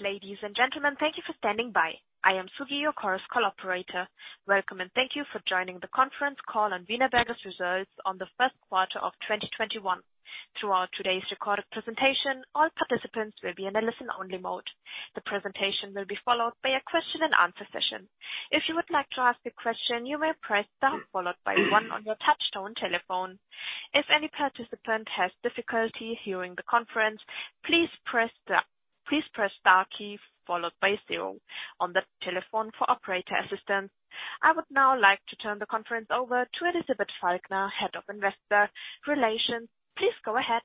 Ladies and gentlemen, thank you for standing by. I am Sugi, your Chorus Call operator. Welcome. Thank you for joining the conference call on Wienerberger's results on the first quarter of 2021. Throughout today's recorded presentation, all participants will be in a listen-only mode. The presentation will be followed by a question and answer session. If you would like to ask a question, you may press star followed by one on your touchtone telephone. If any participant has difficulty hearing the conference, please press star key followed by zero on the telephone for operator assistance. I would now like to turn the conference over to Elisabeth Falkner, Head of Investor Relations. Please go ahead.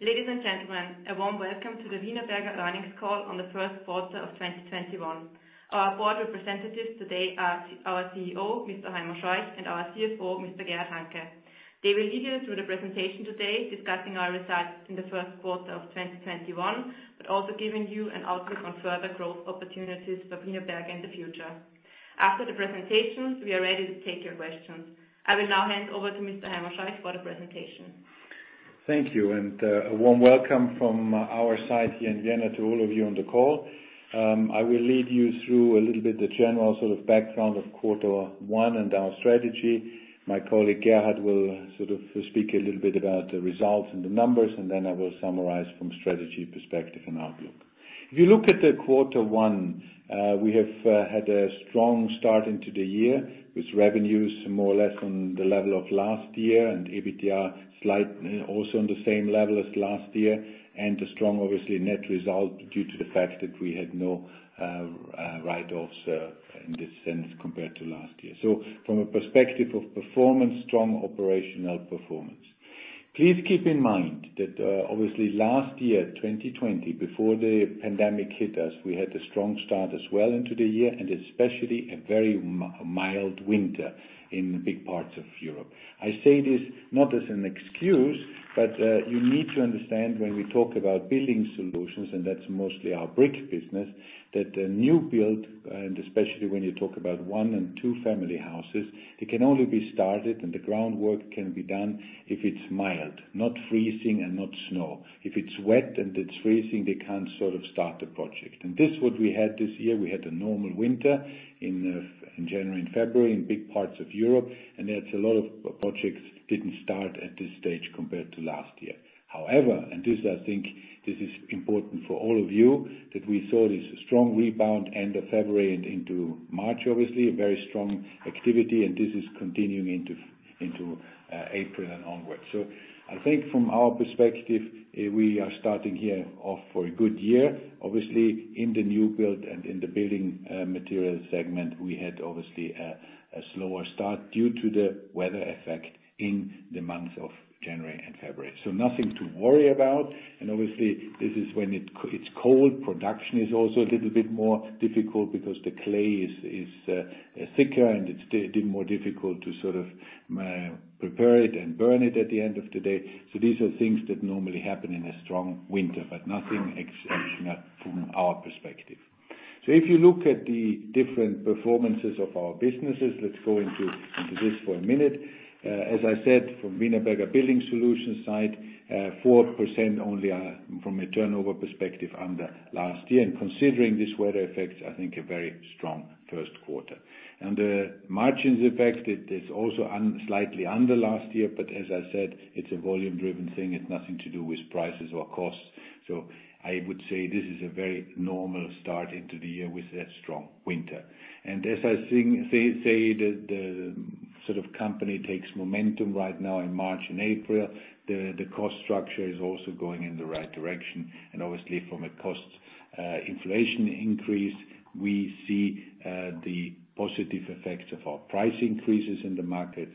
Ladies and gentlemen, a warm welcome to the Wienerberger earnings call on the first quarter of 2021. Our board representatives today are our CEO, Mr. Heimo Scheuch, and our CFO, Mr. Gerhard Hanke. They will lead you through the presentation today, discussing our results in the first quarter of 2021, but also giving you an outlook on further growth opportunities for Wienerberger in the future. After the presentations, we are ready to take your questions. I will now hand over to Mr. Heimo Scheuch for the presentation. Thank you. A warm welcome from our side here in Vienna to all of you on the call. I will lead you through a little bit the general sort of background of quarter one and our strategy. My colleague, Gerhard, will speak a little bit about the results and the numbers. Then I will summarize from strategy perspective and outlook. If you look at the quarter one, we have had a strong start into the year with revenues more or less on the level of last year and EBITDA also on the same level as last year, a strong, obviously, net result due to the fact that we had no write-offs in this sense compared to last year. From a perspective of performance, strong operational performance. Please keep in mind that, obviously last year, 2020, before the pandemic hit us, we had a strong start as well into the year, and especially a very mild winter in big parts of Europe. I say this not as an excuse, but you need to understand when we talk about Building Solutions, and that's mostly our brick business, that the new build, and especially when you talk about one and two family houses, it can only be started and the groundwork can be done if it's mild, not freezing and not snow. If it's wet and it's freezing, they can't start the project. This is what we had this year. We had a normal winter in January and February in big parts of Europe, and there's a lot of projects that didn't start at this stage compared to last year. However, and this I think this is important for all of you, that we saw this strong rebound end of February and into March, obviously, a very strong activity, and this is continuing into April and onwards. I think from our perspective, we are starting here off for a good year. Obviously, in the new build and in the building materials segment, we had obviously a slower start due to the weather effect in the months of January and February. Nothing to worry about. Obviously, this is when it's cold. Production is also a little bit more difficult because the clay is thicker, and it's a bit more difficult to prepare it and burn it at the end of the day. These are things that normally happen in a strong winter, but nothing exceptional from our perspective. If you look at the different performances of our businesses, let's go into this for a minute. As I said, from Wienerberger Building Solutions side, 4% only from a turnover perspective under last year, and considering these weather effects, I think a very strong first quarter. The margins effect, it is also slightly under last year, but as I said, it's a volume-driven thing. It's nothing to do with prices or costs. I would say this is a very normal start into the year with that strong winter. As I say, the company takes momentum right now in March and April. The cost structure is also going in the right direction. Obviously from a cost inflation increase, we see the positive effects of our price increases in the market.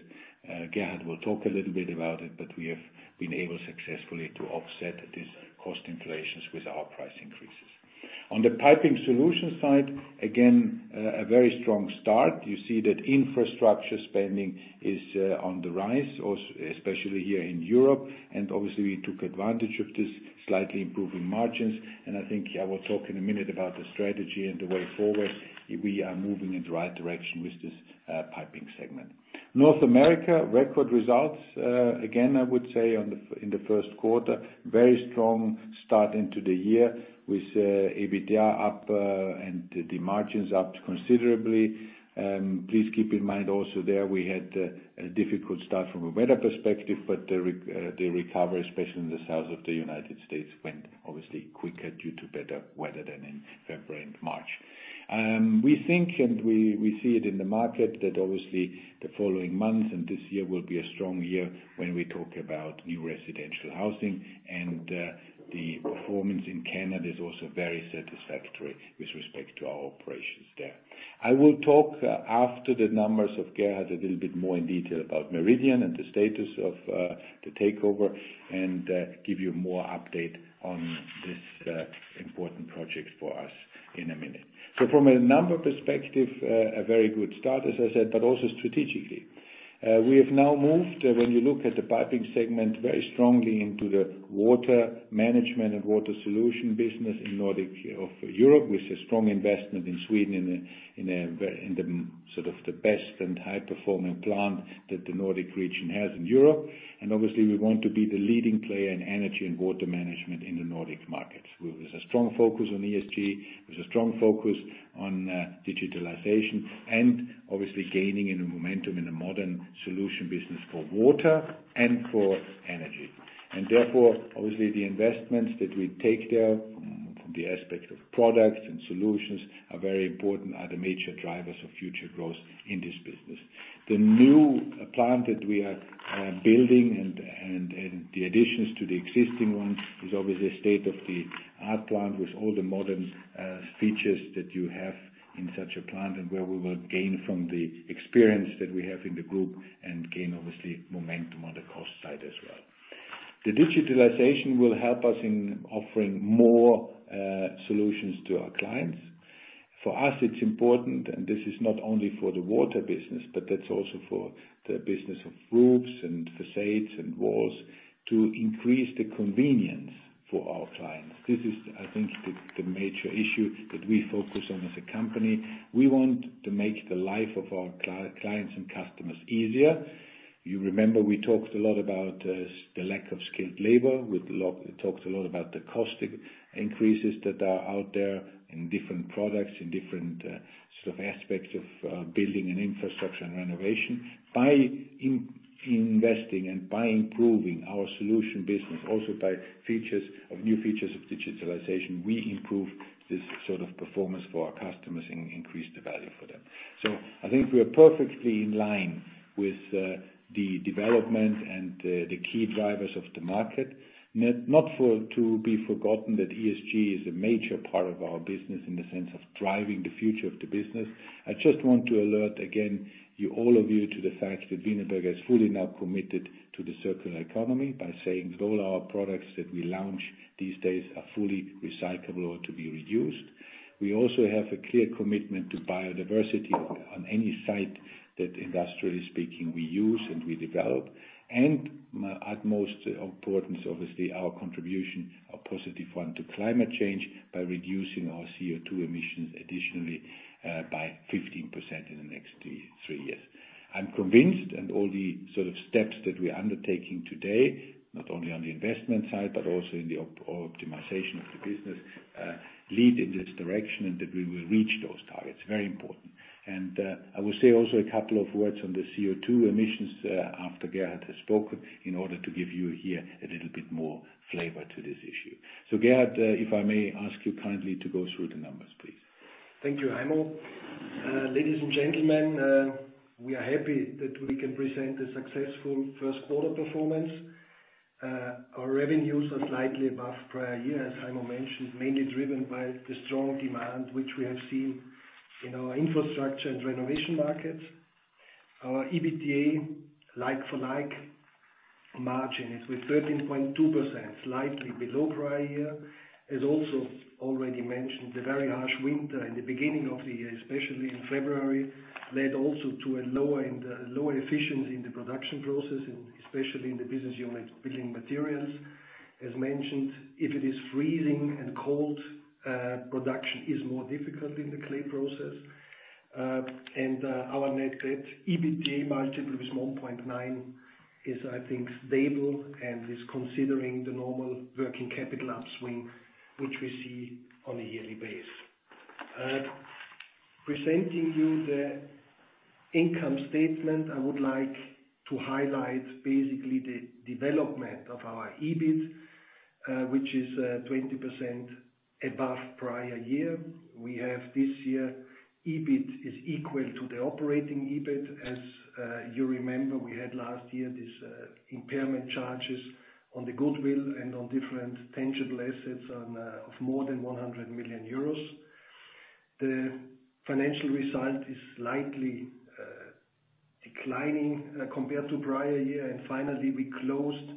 Gerhard will talk a little bit about it, but we have been able successfully to offset these cost inflations with our price increases. On the Piping Solutions side, again, a very strong start. You see that infrastructure spending is on the rise, especially here in Europe, and obviously we took advantage of this, slightly improving margins. I think I will talk in a minute about the strategy and the way forward. We are moving in the right direction with this piping segment. North America, record results. Again, I would say in the first quarter, very strong start into the year with EBITDA up and the margins up considerably. Please keep in mind also there we had a difficult start from a weather perspective, but the recovery, especially in the South of the United States, went obviously quicker due to better weather than in February and March. We think, and we see it in the market, that obviously the following months and this year will be a strong year when we talk about new residential housing, and the performance in Canada is also very satisfactory with respect to our operations there. I will talk after the numbers of Gerhard a little bit more in detail about Meridian and the status of the takeover and give you more update on this important project for us in a minute. From a number perspective, a very good start, as I said, but also strategically. We have now moved, when you look at the piping segment, very strongly into the water management and water solution business in Nordic of Europe, with a strong investment in Sweden in the best and high-performing plant that the Nordic region has in Europe. Obviously, we want to be the leading player in energy and water management in the Nordic markets. With a strong focus on ESG, with a strong focus on digitalization and obviously gaining in momentum in the modern solution business for water and for energy. Therefore, obviously the investments that we take there from the aspect of products and solutions are very important, are the major drivers of future growth in this business. The new plant that we are building and the additions to the existing ones is obviously a state-of-the-art plant with all the modern features that you have in such a plant and where we will gain from the experience that we have in the group and gain, obviously, momentum on the cost side as well. The digitalization will help us in offering more solutions to our clients. For us, it's important, this is not only for the water business, but that's also for the business of roofs and facades and walls, to increase the convenience for our clients. This is, I think, the major issue that we focus on as a company. We want to make the life of our clients and customers easier. You remember, we talked a lot about the lack of skilled labor. We talked a lot about the cost increases that are out there in different products, in different aspects of building and infrastructure and renovation. By investing and by improving our solution business, also by new features of digitalization, we improve this performance for our customers and increase the value for them. I think we're perfectly in line with the development and the key drivers of the market. Not to be forgotten that ESG is a major part of our business in the sense of driving the future of the business. I just want to alert again, all of you to the fact that Wienerberger is fully now committed to the circular economy by saying all our products that we launch these days are fully recyclable or to be reused. We also have a clear commitment to biodiversity on any site that industrially speaking, we use and we develop, and utmost importance, obviously, our contribution, a positive one to climate change by reducing our CO2 emissions additionally by 15% in the next three years. I'm convinced, and all the steps that we are undertaking today, not only on the investment side, but also in the optimization of the business, lead in this direction and that we will reach those targets. Very important. I will say also a couple of words on the CO2 emissions after Gerhard has spoken in order to give you here a little bit more flavor to this issue. Gerhard, if I may ask you kindly to go through the numbers, please. Thank you, Heimo. Ladies and gentlemen, we are happy that we can present a successful first quarter performance. Our revenues are slightly above prior year, as Heimo mentioned, mainly driven by the strong demand which we have seen in our infrastructure and renovation market. Our EBITDA like-for-like margin is with 13.2%, slightly below prior year. As also already mentioned, the very harsh winter in the beginning of the year, especially in February, led also to a lower efficiency in the production process, especially in the business unit Building Materials. As mentioned, if it is freezing and cold, production is more difficult in the clay process. Our net debt EBITDA multiple is 1.9, is I think stable and is considering the normal working capital upswing, which we see on a yearly basis. Presenting you the income statement, I would like to highlight basically the development of our EBIT which is 20% above prior year. We have this year, EBIT is equal to the operating EBIT. As you remember, we had last year this impairment charges on the goodwill and on different tangible assets of more than 100 million euros. The financial result is slightly declining compared to prior year. Finally, we closed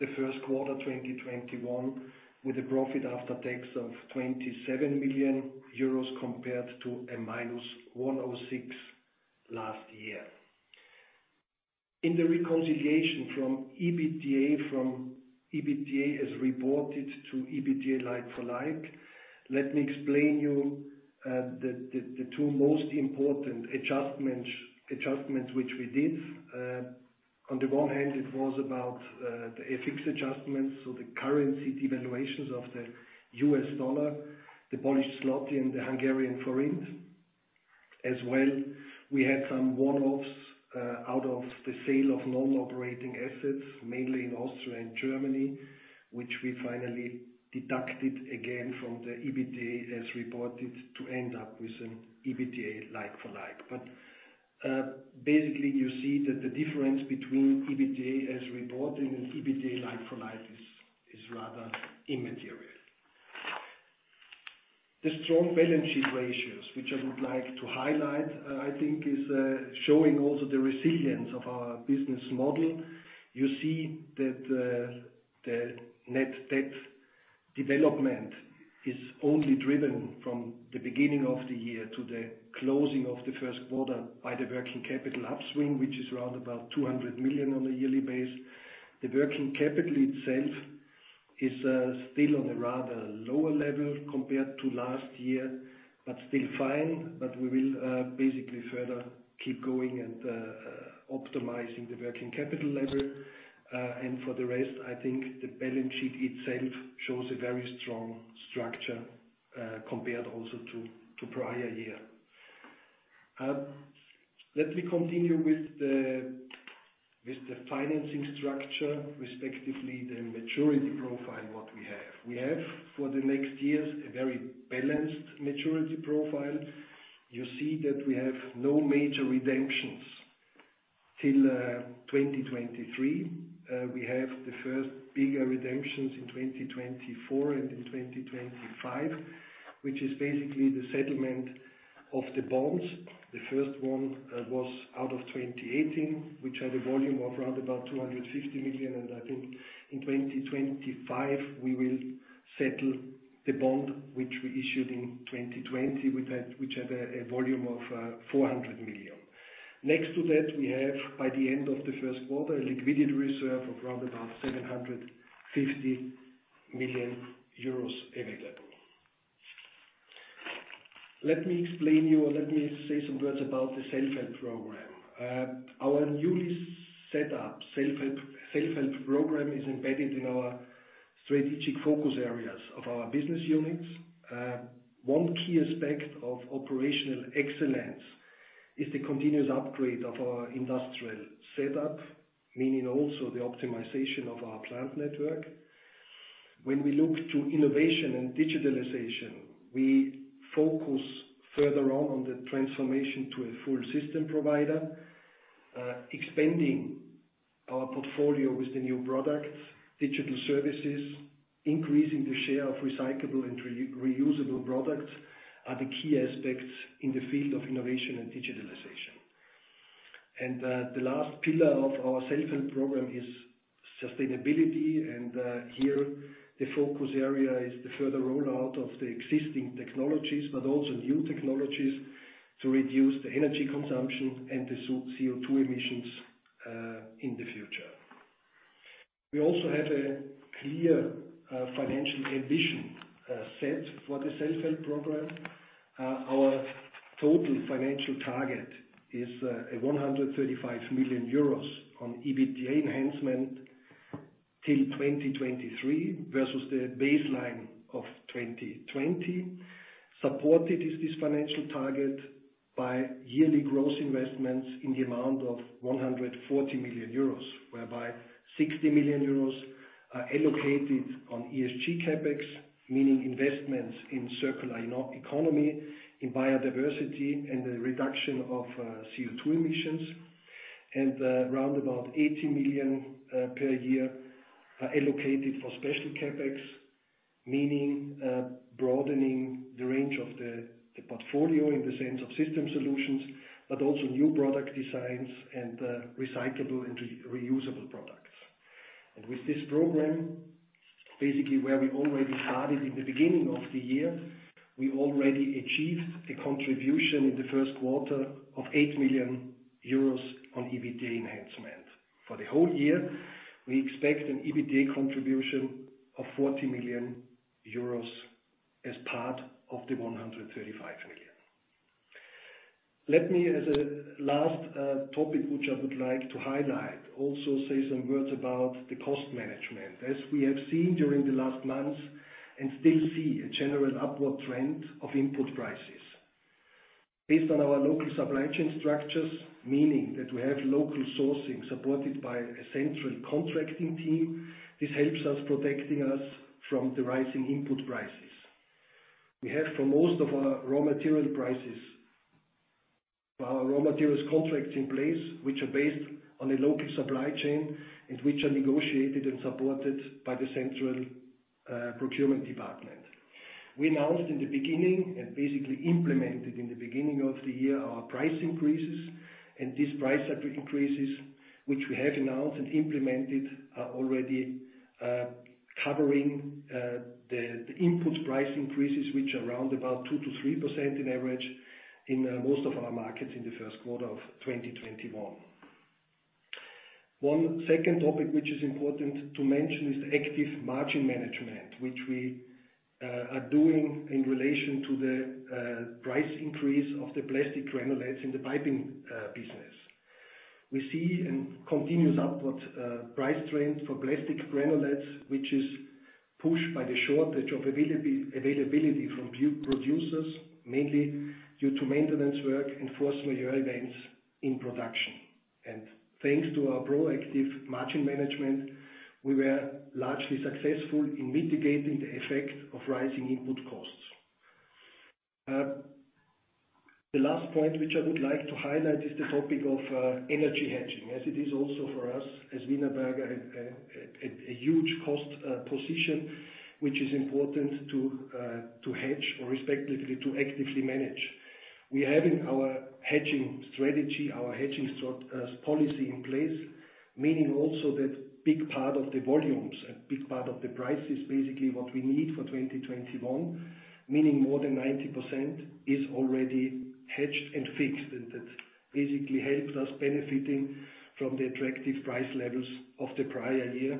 the first quarter 2021 with a profit after tax of 27 million euros compared to a -106 million last year. In the reconciliation from EBITDA as reported to EBITDA like-for-like, let me explain you the two most important adjustments which we did. On the one hand, it was about the FX adjustments, so the currency devaluations of the US dollar, the Polish zloty, and the Hungarian forint. As well, we had some one-offs out of the sale of non-operating assets, mainly in Austria and Germany, which we finally deducted again from the EBITDA as reported to end up with an EBITDA like-for-like. Basically, you see that the difference between EBITDA as reported and EBITDA like-for-like is rather immaterial. The strong balance sheet ratios, which I would like to highlight, I think is showing also the resilience of our business model. You see that the net debt is only driven from the beginning of the year to the closing of the first quarter by the working capital upswing, which is around about 200 million on a yearly base. The working capital itself is still on a rather lower level compared to last year, but still fine. We will basically further keep going and optimizing the working capital level. For the rest, I think the balance sheet itself shows a very strong structure, compared also to prior year. Let me continue with the financing structure, respectively, the maturity profile that we have. We have, for the next years, a very balanced maturity profile. You see that we have no major redemptions till 2023. We have the first bigger redemptions in 2024 and in 2025, which is basically the settlement of the bonds. The first one was out of 2018, which had a volume of around about 250 million. I think in 2025, we will settle the bond which we issued in 2020, which had a volume of 400 million. Next to that, we have by the end of the first quarter a liquidity reserve of around about 750 million euros available. Let me explain to you or let me say some words about the self-help program. Our newly set up self-help program is embedded in our strategic focus areas of our business units. One key aspect of operational excellence is the continuous upgrade of our industrial setup, meaning also the optimization of our plant network. When we look to innovation and digitalization, we focus further on the transformation to a full system provider. Expanding our portfolio with the new products, digital services, increasing the share of recyclable and reusable products are the key aspects in the field of innovation and digitalization. The last pillar of our self-help program is sustainability. Here the focus area is the further rollout of the existing technologies, but also new technologies to reduce the energy consumption and the CO2 emissions in the future. We also have a clear financial ambition set for the self-help program. Our total financial target is 135 million euros on EBITDA enhancement till 2023 versus the baseline of 2020. Supported is this financial target by yearly gross investments in the amount of 140 million euros, whereby 60 million euros are allocated on ESG CapEx. Investments in circular economy, in biodiversity, and the reduction of CO2 emissions. Around about 80 million per year are allocated for special CapEx, meaning broadening the range of the portfolio in the sense of system solutions, but also new product designs and recyclable and reusable products. With this program, basically where we already started in the beginning of the year, we already achieved a contribution in the first quarter of 8 million euros on EBITDA enhancement. For the whole year, we expect an EBITDA contribution of 40 million euros as part of the 135 million. Let me as a last topic, which I would like to highlight, also say some words about the cost management, as we have seen during the last months and still see a general upward trend of input prices. Based on our local supply chain structures, meaning that we have local sourcing supported by a central contracting team, this helps us protecting us from the rising input prices. We have for most of our raw material prices, our raw materials contracts in place, which are based on a local supply chain and which are negotiated and supported by the central procurement department. We announced and basically implemented in the beginning of the year our price increases. These price increases, which we have announced and implemented, are already covering the input price increases, which are around about 2% to 3% on average in most of our markets in the first quarter of 2021. One second topic which is important to mention is active margin management, which we are doing in relation to the price increase of the plastic granulates in the piping business. We see a continuous upward price trend for plastic granulates, which is pushed by the shortage of availability from producers, mainly due to maintenance work and force majeure events in production. Thanks to our proactive margin management, we were largely successful in mitigating the effect of rising input costs. The last point which I would like to highlight is the topic of energy hedging, as it is also for us as Wienerberger a huge cost position, which is important to hedge or respectively to actively manage. We're having our hedging strategy, our hedging policy in place, meaning also that big part of the volumes and big part of the price is basically what we need for 2021, meaning more than 90% is already hedged and fixed. That basically helps us benefiting from the attractive price levels of the prior year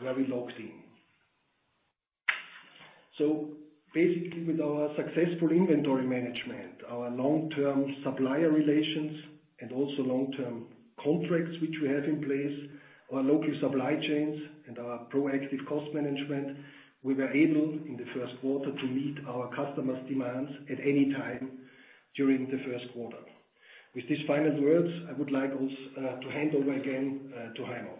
where we locked in. Basically, with our successful inventory management, our long-term supplier relations, and also long-term contracts which we have in place, our local supply chains and our proactive cost management, we were able, in the first quarter, to meet our customers' demands at any time during the first quarter. With these final words, I would like also to hand over again, to Heimo.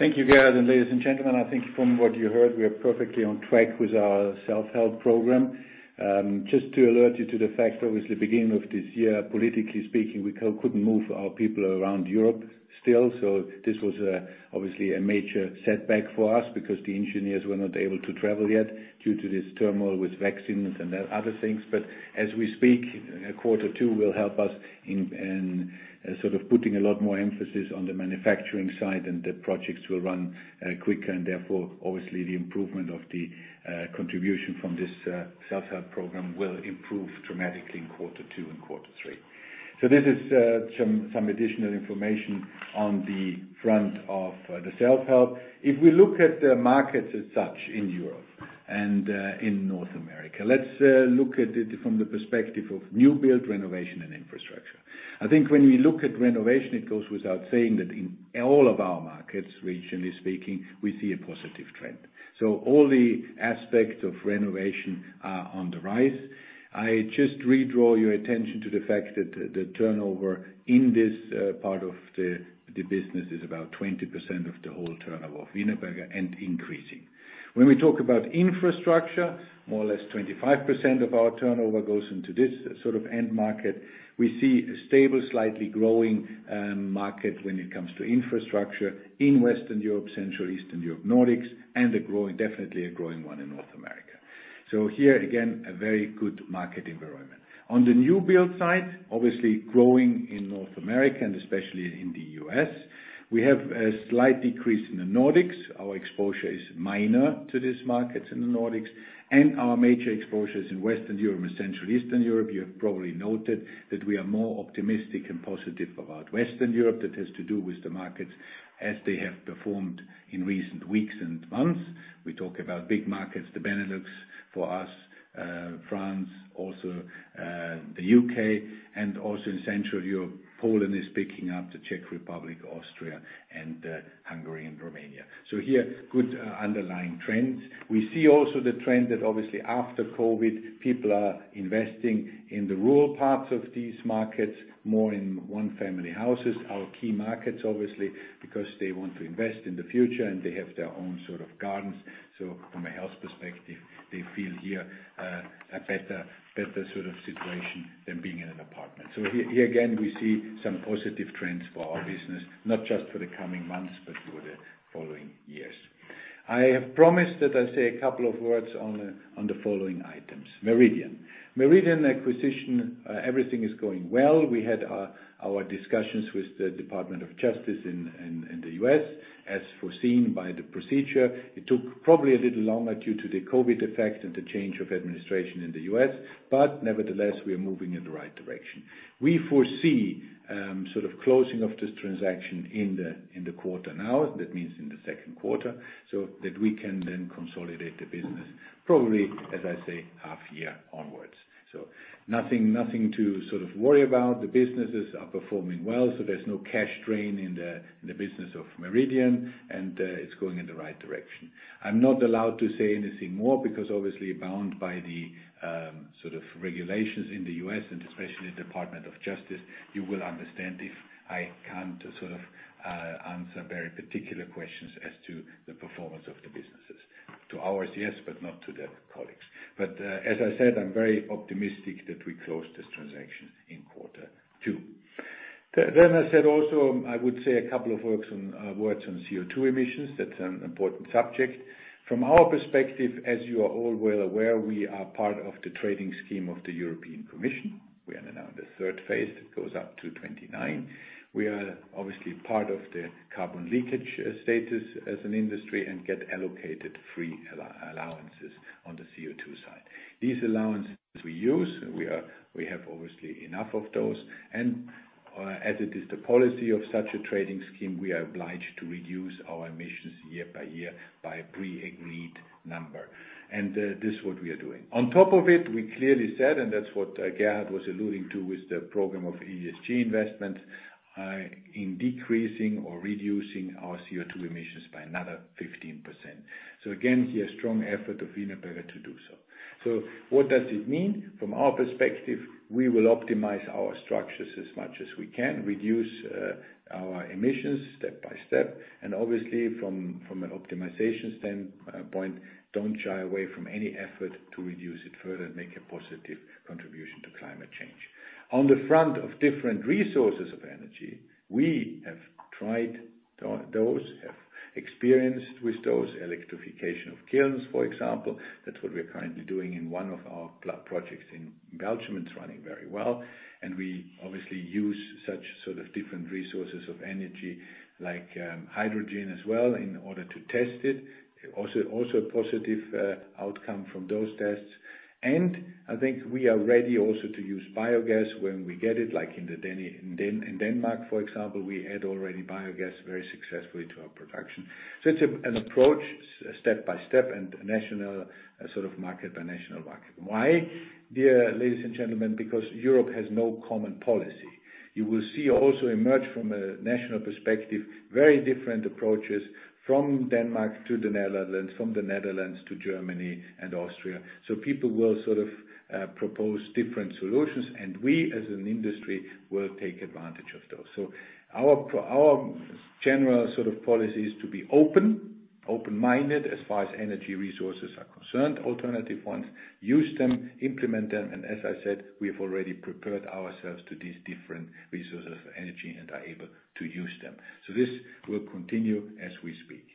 Thank you, Gerhard, and ladies and gentlemen. I think from what you heard, we are perfectly on track with our self-help program. Just to alert you to the fact, obviously, beginning of this year, politically speaking, we couldn't move our people around Europe still. This was, obviously, a major setback for us because the engineers were not able to travel yet due to this turmoil with vaccines and other things. As we speak, quarter two will help us in sort of putting a lot more emphasis on the manufacturing side, and the projects will run quicker and therefore, obviously, the improvement of the contribution from this self-help program will improve dramatically in quarter two and quarter three. This is some additional information on the front of the Self-help. If we look at the markets as such in Europe and in North America, let's look at it from the perspective of new build, renovation and infrastructure. I think when we look at renovation, it goes without saying that in all of our markets, regionally speaking, we see a positive trend. All the aspects of renovation are on the rise. I just redraw your attention to the fact that the turnover in this part of the business is about 20% of the whole turnover of Wienerberger and increasing. When we talk about infrastructure, more or less 25% of our turnover goes into this sort of end market. We see a stable, slightly growing market when it comes to infrastructure in Western Europe, Central Eastern Europe, Nordics, and definitely a growing one in North America. Here again, a very good market environment. On the new build side, obviously growing in North America and especially in the U.S., we have a slight decrease in the Nordics. Our exposure is minor to this market in the Nordics and our major exposure is in Western Europe and Central Eastern Europe. You have probably noted that we are more optimistic and positive about Western Europe. That has to do with the markets as they have performed in recent weeks and months. We talk about big markets, the Benelux for us, France, also the U.K. and also in Central Europe. Poland is picking up, the Czech Republic, Austria and Hungary and Romania. Here, good underlying trends. We see also the trend that obviously after COVID, people are investing in the rural parts of these markets, more in one family houses. Our key markets, obviously, because they want to invest in the future and they have their own sort of gardens. From a health perspective, they feel here a better sort of situation than being in an apartment. Here again, we see some positive trends for our business, not just for the coming months, but for the following years. I have promised that I say a couple of words on the following items. Meridian. Meridian acquisition, everything is going well. We had our discussions with the United States Department of Justice in the U.S. as foreseen by the procedure. It took probably a little longer due to the COVID effect and the change of administration in the U.S. Nevertheless, we are moving in the right direction. We foresee sort of closing of this transaction in the quarter now. That means in the second quarter, that we can then consolidate the business probably, as I say, half year onwards. Nothing to sort of worry about. The businesses are performing well, so there's no cash drain in the business of Meridian, and it's going in the right direction. I'm not allowed to say anything more because obviously bound by the sort of regulations in the U.S. and especially Department of Justice. You will understand if I can't sort of answer very particular questions as to the performance of the businesses. To ours, yes, but not to their colleagues. As I said, I'm very optimistic that we close this transaction in quarter two. I said also, I would say a couple of words on CO2 emissions. That's an important subject. From our perspective, as you are all well aware, we are part of the trading scheme of the European Commission. We are now in the third phase that goes up to 2029. We are obviously part of the carbon leakage status as an industry and get allocated free allowances on the CO2 side. These allowances we use, we have obviously enough of those. As it is the policy of such a trading scheme, we are obliged to reduce our emissions year by year by a pre-agreed number. This is what we are doing. On top of it, we clearly said, that's what Gerhard was alluding to with the program of ESG investment, in decreasing or reducing our CO2 emissions by another 15%. Again, here, strong effort of Wienerberger to do so. What does it mean? From our perspective, we will optimize our structures as much as we can, reduce our emissions step by step and obviously from an optimization standpoint, don't shy away from any effort to reduce it further and make a positive contribution to climate change. On the front of different resources of energy, we have tried those, have experienced with those, electrification of kilns, for example. That's what we're currently doing in one of our projects in Belgium. It's running very well, and we obviously use such different resources of energy like hydrogen as well in order to test it. Also, a positive outcome from those tests. I think we are ready also to use biogas when we get it, like in Denmark, for example, we add already biogas very successfully to our production. Such an approach, step by step, and national market by national market. Why? Ladies and gentlemen, because Europe has no common policy. You will see also emerge from a national perspective, very different approaches from Denmark to the Netherlands, from the Netherlands to Germany and Austria. People will propose different solutions, and we as an industry will take advantage of those. Our general policy is to be open-minded as far as energy resources are concerned, alternative ones, use them, implement them, and as I said, we've already prepared ourselves to these different resources of energy and are able to use them. This will continue as we speak.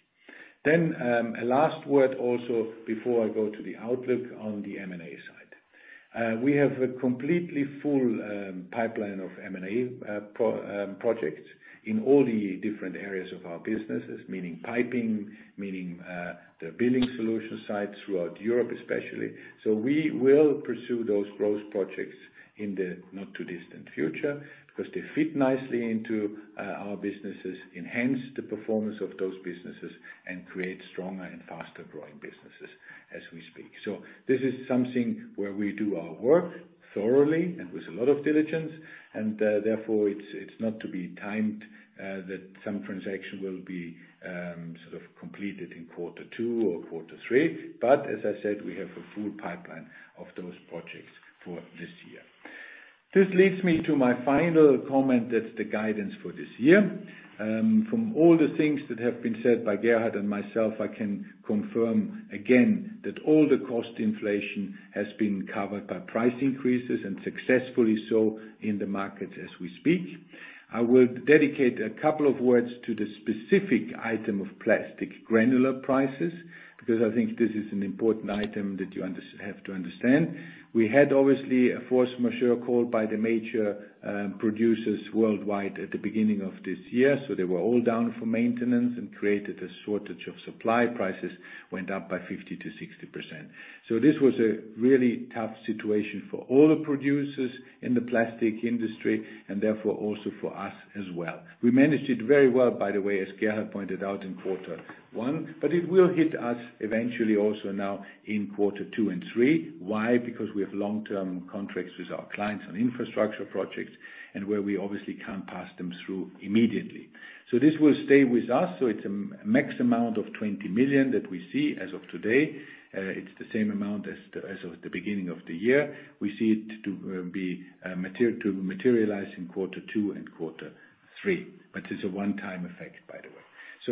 A last word also before I go to the outlook on the M&A side. We have a completely full pipeline of M&A projects in all the different areas of our businesses, meaning Piping, meaning the Building Solutions sites throughout Europe, especially. We will pursue those growth projects in the not-too-distant future because they fit nicely into our businesses, enhance the performance of those businesses, and create stronger and faster-growing businesses as we speak. This is something where we do our work thoroughly and with a lot of diligence, and therefore it's not to be timed that some transaction will be completed in quarter two or quarter three. As I said, we have a full pipeline of those projects for this year. This leads me to my final comment. That's the guidance for this year. From all the things that have been said by Gerhard and myself, I can confirm again that all the cost inflation has been covered by price increases and successfully so in the market as we speak. I will dedicate a couple of words to the specific item of plastic granulate prices, because I think this is an important item that you have to understand. We had obviously a force majeure called by the major producers worldwide at the beginning of this year. They were all down for maintenance and created a shortage of supply. Prices went up by 50% to 60%. This was a really tough situation for all the producers in the plastic industry and therefore also for us as well. We managed it very well, by the way, as Gerhard pointed out in quarter one, but it will hit us eventually also now in quarter two and three. Why? Because we have long-term contracts with our clients on infrastructure projects and where we obviously can't pass them through immediately. This will stay with us. It's a max amount of 20 million that we see as of today. It's the same amount as of the beginning of the year. We see it to materialize in quarter two and quarter three. It's a one-time effect, by the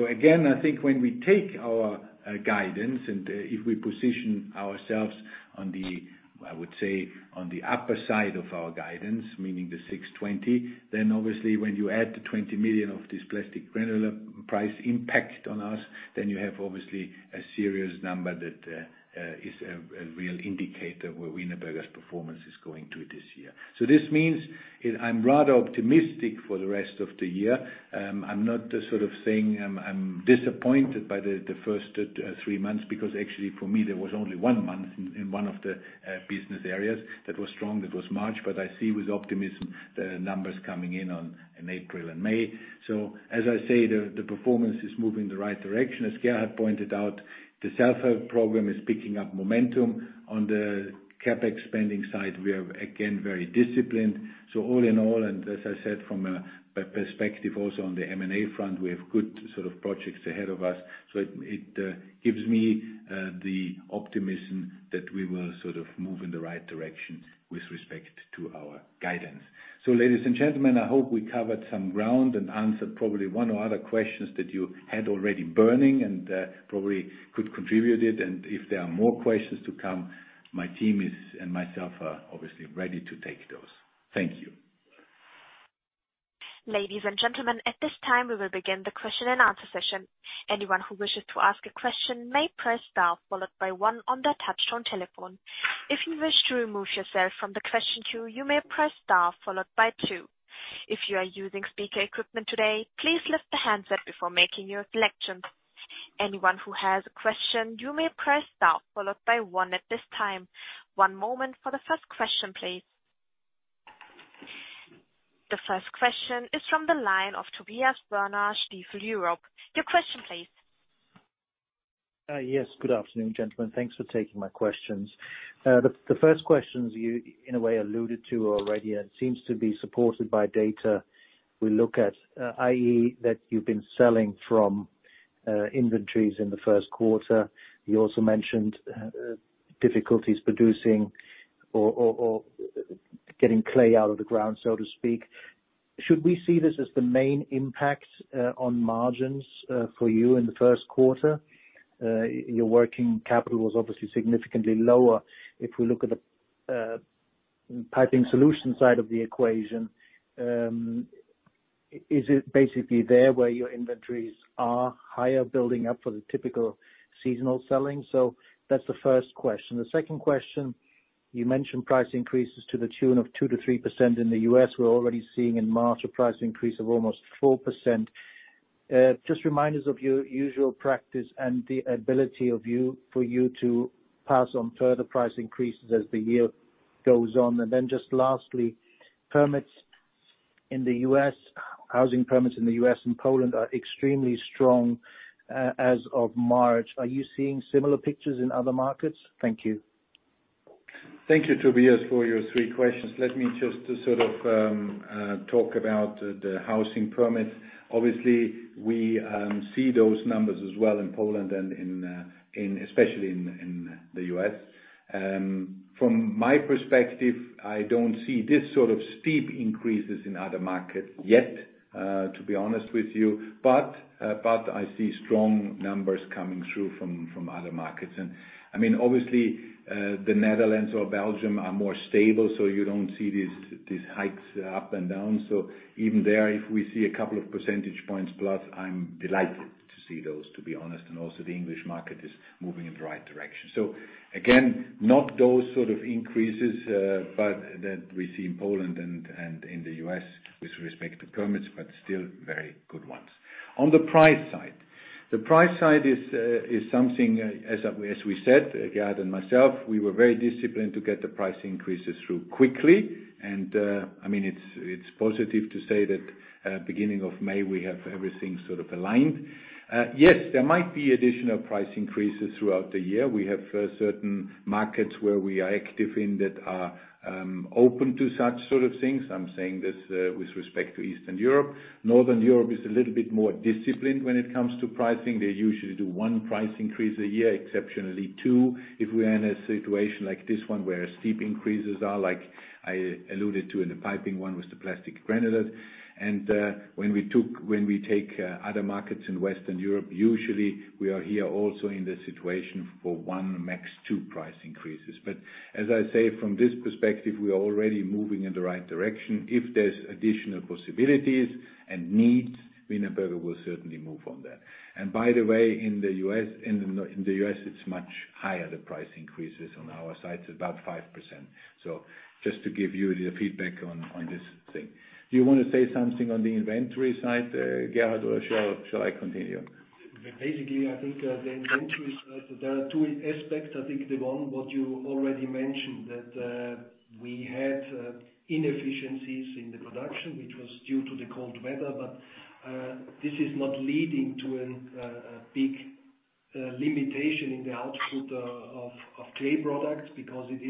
way. Again, I think when we take our guidance and if we position ourselves on the, I would say, on the upper side of our guidance, meaning the 620, then obviously when you add the 20 million of this plastic granulate price impact on us, then you have obviously a serious number that is a real indicator where Wienerberger's performance is going to this year. This means I'm rather optimistic for the rest of the year. I'm not saying I'm disappointed by the first three months, because actually for me, there was only one month in one of the business areas that was strong. That was March. I see with optimism the numbers coming in on April and May. As I say, the performance is moving in the right direction. As Gerhard pointed out, the self-help program is picking up momentum. On the CapEx spending side, we are again very disciplined. All in all, and as I said, from a perspective also on the M&A front, we have good projects ahead of us. It gives me the optimism that we will move in the right direction with respect to our guidance. Ladies and gentlemen, I hope we covered some ground and answered probably one or other questions that you had already burning and probably could contribute it. If there are more questions to come, my team is and myself are obviously ready to take those. Thank you. Ladies and gentlemen, at this time, we will begin the question and answer session. Anyone who wishes to ask a question may press star followed by one on their touch-tone telephone. If you wish to remove yourself from the question queue, you may press star followed by two. If you are using speaker equipment today, please lift the handset before making your selection. Anyone who has a question, you may press star followed by one at this time. One moment for the first question, please. The first question is from the line of Tobias Woerner, Stifel Europe. Your question please. Yes, good afternoon, gentlemen. Thanks for taking my questions. The first question you in a way alluded to already, it seems to be supported by data we look at, i.e., that you've been selling from inventories in the first quarter. You also mentioned difficulties producing or getting clay out of the ground, so to speak. Should we see this as the main impact on margins for you in the first quarter? Your working capital was obviously significantly lower. If we look at the piping solution side of the equation, is it basically there where your inventories are higher building up for the typical seasonal selling? That's the first question. The second question, you mentioned price increases to the tune of 2%-3% in the U.S. We're already seeing in March a price increase of almost 4%. Just remind us of your usual practice and the ability for you to pass on further price increases as the year goes on. Just lastly, permits in the U.S., housing permits in the U.S. and Poland are extremely strong as of March. Are you seeing similar pictures in other markets? Thank you. Thank you, Tobias, for your three questions. Let me just talk about the housing permits. We see those numbers as well in Poland and especially in the U.S. From my perspective, I don't see this sort of steep increases in other markets yet, to be honest with you, but I see strong numbers coming through from other markets. The Netherlands or Belgium are more stable, so you don't see these hikes up and down. Even there, if we see a couple of percentage points plus, I'm delighted to see those, to be honest. Also the English market is moving in the right direction. Again, not those sort of increases that we see in Poland and in the U.S. with respect to permits, but still very good ones. On the price side. The price side is something, as we said, Gerhard and myself, we were very disciplined to get the price increases through quickly. It's positive to say that beginning of May, we have everything aligned. Yes, there might be additional price increases throughout the year. We have certain markets where we are active in that are open to such sort of things. I'm saying this with respect to Eastern Europe. Northern Europe is a little bit more disciplined when it comes to pricing. They usually do one price increase a year, exceptionally two. If we are in a situation like this one where steep increases are like I alluded to in the piping one with the plastic granulate. When we take other markets in Western Europe, usually we are here also in the situation for one, max two price increases. As I say, from this perspective, we are already moving in the right direction. If there's additional possibilities and needs, Wienerberger will certainly move on that. By the way, in the U.S. it's much higher, the price increases on our side, it's about 5%. Just to give you the feedback on this thing. Do you want to say something on the inventory side, Gerhard, or shall I continue? I think the inventory side, there are two aspects. I think the one what you already mentioned, that we had inefficiencies in the production, which was due to the cold weather. This is not leading to a big limitation in the output of clay products because it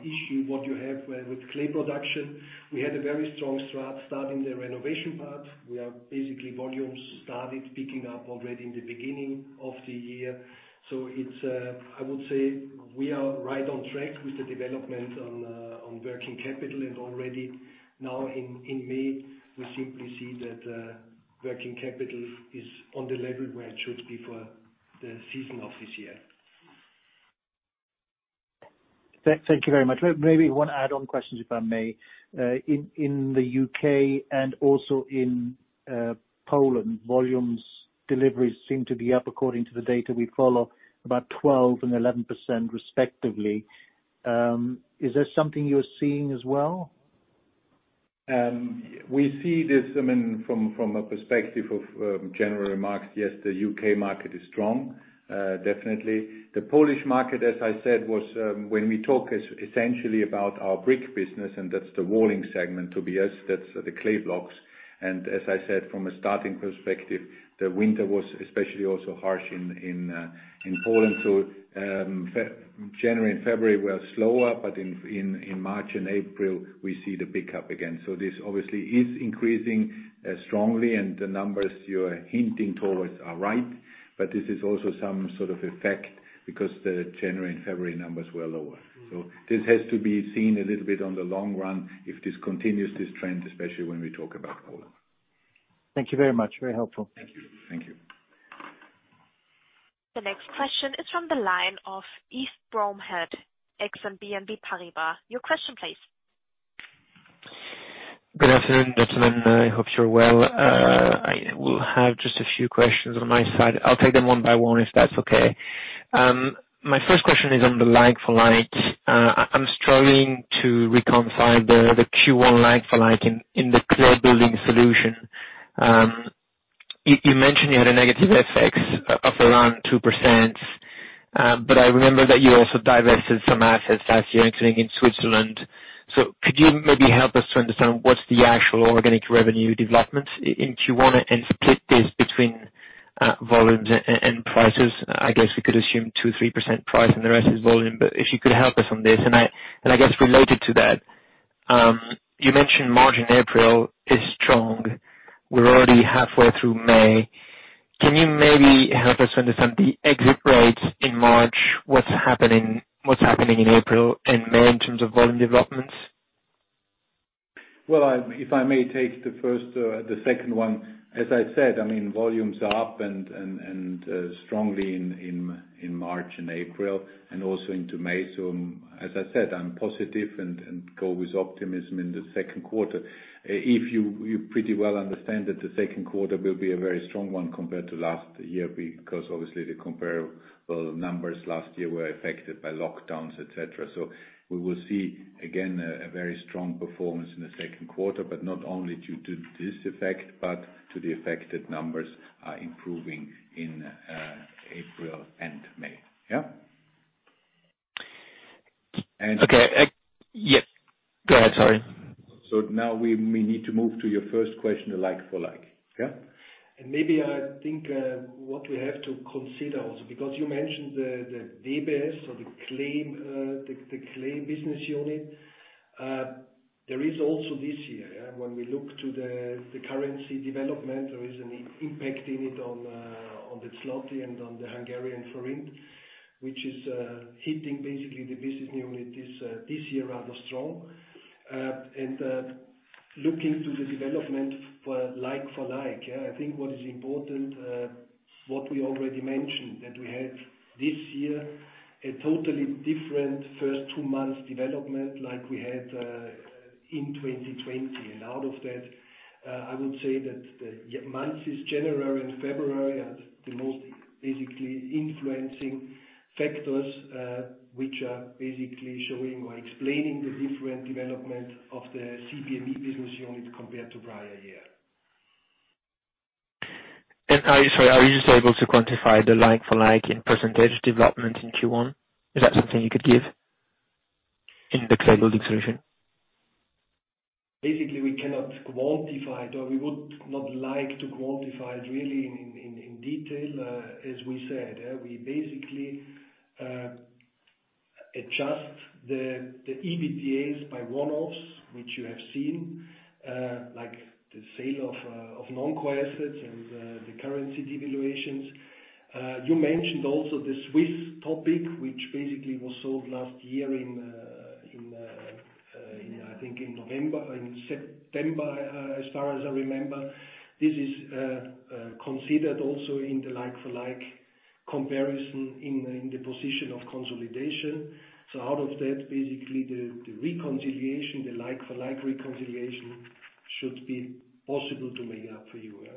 is basically an issue what you have with clay production. We had a very strong start in the renovation part, where basically volumes started picking up already in the beginning of the year. I would say we are right on track with the development on working capital and already now in May, we simply see that working capital is on the level where it should be for the season of this year. Thank you very much. Maybe one add-on question, if I may. In the U.K. and also in Poland, volumes deliveries seem to be up according to the data we follow, about 12% and 11% respectively. Is that something you're seeing as well? We see this from a perspective of general remarks. The U.K. market is strong, definitely. The Polish market, as I said, when we talk essentially about our brick business, and that's the walling segment, Tobias, that's the clay blocks. As I said, from a starting perspective, the winter was especially also harsh in Poland. January and February were slower, but in March and April, we see the pickup again. This obviously is increasing strongly, and the numbers you're hinting towards are right. This is also some sort of effect because the January and February numbers were lower. This has to be seen a little bit on the long run if this continues this trend, especially when we talk about Poland. Thank you very much. Very helpful. Thank you. Thank you. The next question is from the line of Yves Bromehead, Exane BNP Paribas. Your question, please. Good afternoon, gentlemen. I hope you're well. I will have just a few questions on my side. I'll take them one by one, if that's okay. My first question is on the like-for-like. I'm struggling to reconcile the Q1 like-for-like in the Clay Building Materials Europe. You mentioned you had a negative effects of around 2%, but I remember that you also divested some assets last year, including in Switzerland. Could you maybe help us to understand what's the actual organic revenue development in Q1 and split this between volumes and prices? I guess we could assume 2%-3% price and the rest is volume. If you could help us on this. I guess related to that, you mentioned March and April is strong. We're already halfway through May. Can you maybe help us understand the exit rates in March? What's happening in April and May in terms of volume developments? Well, if I may take the second one. As I said, volumes are up and strongly in March and April and also into May. As I said, I'm positive and go with optimism in the second quarter. If you pretty well understand that the second quarter will be a very strong one compared to last year because obviously the comparable numbers last year were affected by lockdowns, et cetera. We will see, again, a very strong performance in the second quarter, but not only due to this effect, but to the effect that numbers are improving in April and May. Yeah. Okay. Yeah. Go ahead, sorry. Now we may need to move to your first question, the like-for-like. Yeah? Maybe I think what we have to consider also, because you mentioned the CBME or the clay business unit. There is also this year, when we look to the currency development, there is an impact in it on the zloty and on the Hungarian forint, which is hitting basically the business unit this year rather strong. Looking to the development for like-for-like, I think what is important, what we already mentioned, that we had this year a totally different first two months development like we had in 2020. Out of that, I would say that the months is January and February are the most basically influencing factors which are basically showing or explaining the different development of the CBME business unit compared to prior year. Are you sorry, are you just able to quantify the like-for-like in percentage development in Q1? Is that something you could give in the clay building solution? We cannot quantify it or we would not like to quantify it really in detail. As we said, we basically adjust the EBITDAs by one-offs, which you have seen, like the sale of non-core assets and the currency devaluations. You mentioned also the Swiss topic, which basically was sold last year I think in November, in September as far as I remember. This is considered also in the like-for-like comparison in the position of consolidation. Out of that, basically the reconciliation, the like-for-like reconciliation should be possible to make up for you. Yeah.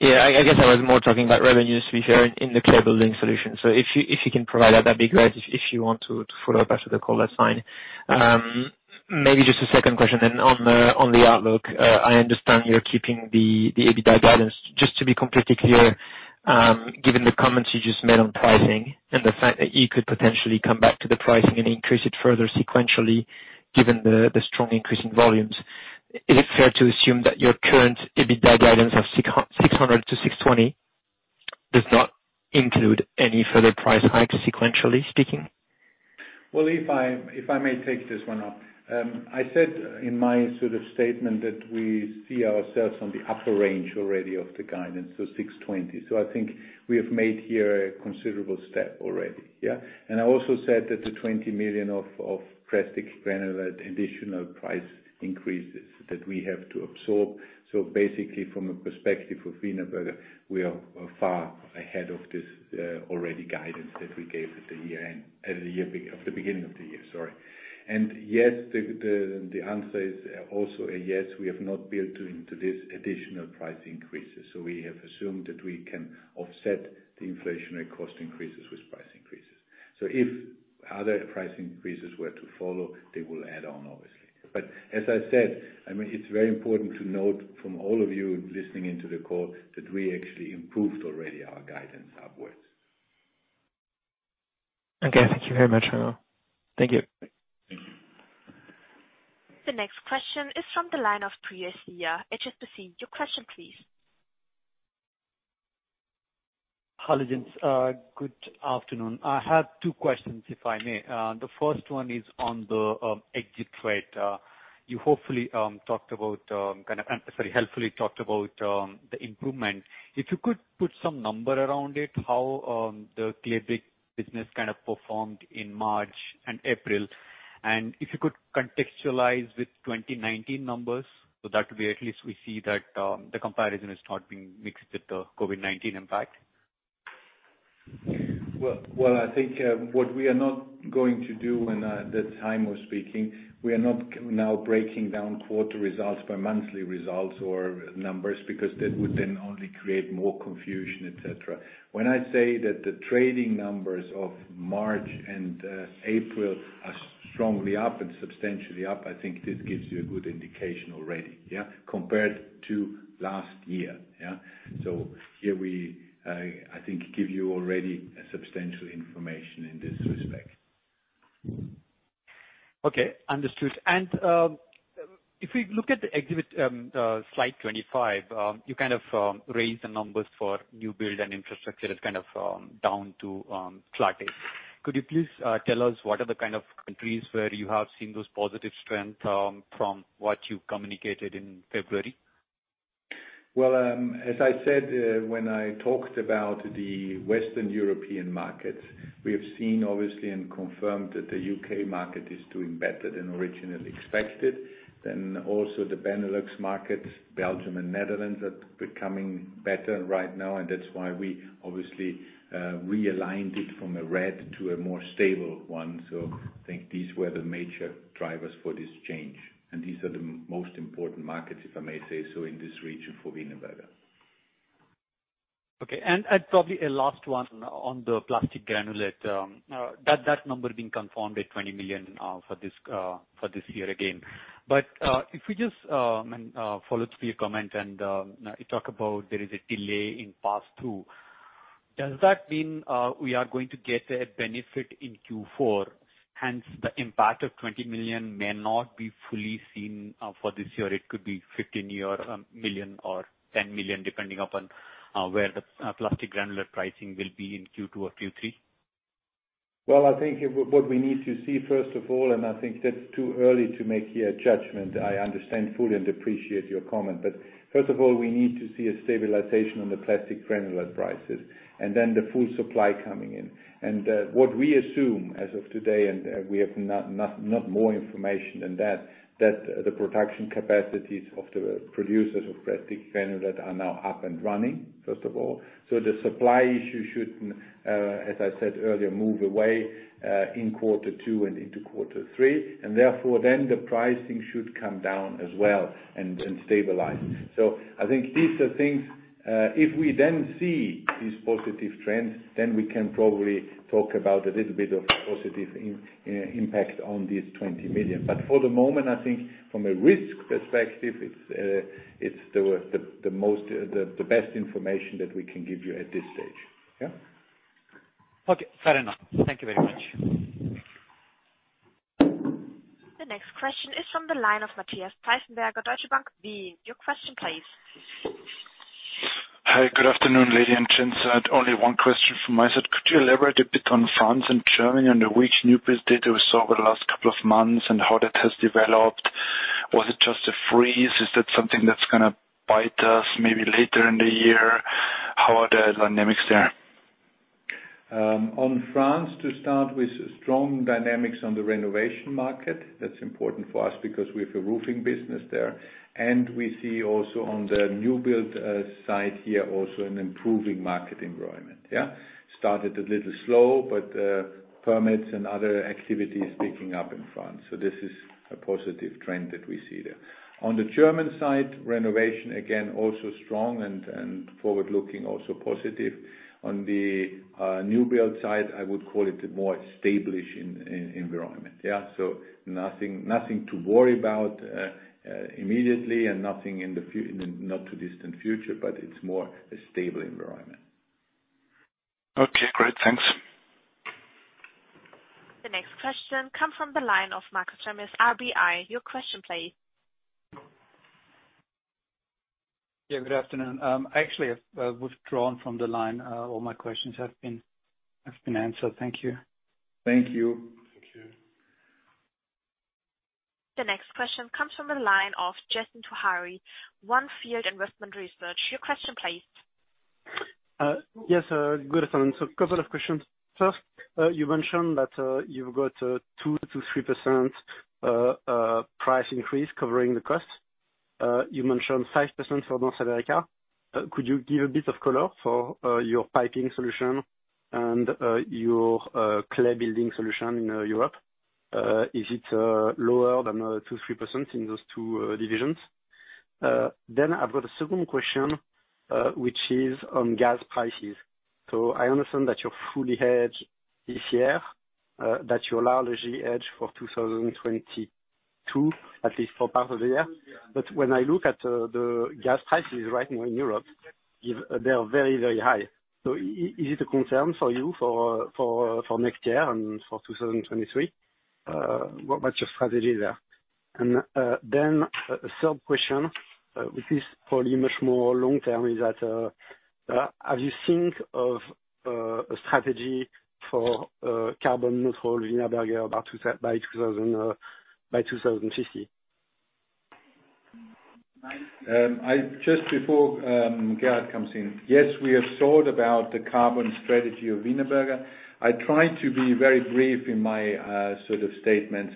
Yeah, I guess I was more talking about revenues to be fair in the clay building solution. If you can provide that would be great. If you want to follow up after the call, that's fine. Maybe just a second question on the outlook. I understand you're keeping the EBITDA guidance. Just to be completely clear, given the comments you just made on pricing and the fact that you could potentially come back to the pricing and increase it further sequentially, given the strong increase in volumes. Is it fair to assume that your current EBITDA guidance of 600-620 does not include any further price hike sequentially speaking? If I may take this one up. I said in my sort of statement that we see ourselves on the upper range already of the guidance, so 620. I think we have made here a considerable step already. Yeah. I also said that the 20 million of plastic granulate additional price increases that we have to absorb. Basically from a perspective of Wienerberger, we are far ahead of this already guidance that we gave at the beginning of the year, sorry. Yes, the answer is also a yes, we have not built into this additional price increases. We have assumed that we can offset the inflationary cost increases with price increases. If other price increases were to follow, they will add on, obviously. As I said, it's very important to note from all of you listening into the call that we actually improved already our guidance upwards. Okay. Thank you very much. Thank you. Thank you. The next question is from the line of Priya Seer. HSBC. Your question, please. Hello, gents. Good afternoon. I have two questions, if I may. The first one is on the exit rate. You helpfully talked about the improvement. If you could put some number around it, how the clay brick business kind of performed in March and April, and if you could contextualize with 2019 numbers so that way at least we see that the comparison is not being mixed with the COVID-19 impact. Well, I think what we are not going to do when the time of speaking, we are not now breaking down quarter results by monthly results or numbers because that would then only create more confusion, et cetera. I say that the trading numbers of March and April are strongly up and substantially up, I think this gives you a good indication already. Yeah. Compared to last year. Yeah. Here we, I think give you already a substantial information in this respect. Okay. Understood. If we look at the exhibit, slide 25, you kind of raise the numbers for new build and infrastructure that's kind of down to flat. Could you please tell us what are the kind of countries where you have seen those positive strength from what you communicated in February? As I said when I talked about the Western European markets, we have seen obviously and confirmed that the U.K. market is doing better than originally expected. Also the Benelux markets, Belgium and Netherlands are becoming better right now, and that's why we obviously realigned it from a red to a more stable one. I think these were the major drivers for this change, and these are the most important markets, if I may say so, in this region for Wienerberger. Okay. Probably a last one on the plastic granulate. That number being confirmed at 20 million for this year again. If we just follow through your comment and you talk about there is a delay in pass-through, does that mean we are going to get a benefit in Q4, hence the impact of 20 million may not be fully seen for this year? It could be 15 million or 10 million, depending upon where the plastic granulate pricing will be in Q2 or Q3? I think what we need to see, first of all, and I think that's too early to make a judgment. I understand fully and appreciate your comment. First of all, we need to see a stabilization on the plastic granulate prices and then the full supply coming in. What we assume as of today, and we have not more information than that the production capacities of the producers of plastic granulate are now up and running, first of all. The supply issue should, as I said earlier, move away, in quarter two and into quarter three, and therefore, then the pricing should come down as well and stabilize. I think these are things, if we then see these positive trends, then we can probably talk about a little bit of positive impact on these 20 million. For the moment, I think from a risk perspective, it's the best information that we can give you at this stage. Yeah. Okay, fair enough. Thank you very much. The next question is from the line of Matthias Weissenberger, Deutsche Bank. Your question, please. Hi, good afternoon, lady and gents. Only one question from my side. Could you elaborate a bit on France and Germany and which new business data we saw over the last couple of months and how that has developed? Was it just a freeze? Is that something that's going to bite us maybe later in the year? How are the dynamics there? On France to start with, strong dynamics on the renovation market. That's important for us because we have a roofing business there. We see on the new build side here an improving market environment. Started a little slow, permits and other activities picking up in France. This is a positive trend that we see there. On the German side, renovation, again, also strong and forward-looking, also positive. On the new build side, I would call it a more established environment. Nothing to worry about immediately and nothing in the not too distant future, but it's more a stable environment. Okay, great. Thanks. The next question come from the line of Markus Remis, RBI. Your question please. Good afternoon. Actually, I've withdrawn from the line. All my questions have been answered. Thank you. Thank you. The next question comes from the line of Yassine Touahri, On Field Investment Research. Your question, please. Yes, good afternoon. Couple of questions. First, you mentioned that you've got 2% to 3% price increase covering the cost. You mentioned 5% for North America. Could you give a bit of color for your piping solution and your clay building solution in Europe? Is it lower than 2%, 3% in those two divisions? I've got a second question, which is on gas prices. I understand that you're fully hedged this year, that you are largely hedged for 2022, at least for part of the year. When I look at the gas prices right now in Europe, they are very, very high. Is it a concern for you for next year and for 2023? What's your strategy there? A third question, which is probably much more long-term, is that, have you thought of a strategy for carbon neutral Wienerberger by 2050? Just before Gerhard comes in. Yes, we have thought about the carbon strategy of Wienerberger. I try to be very brief in my sort of statements.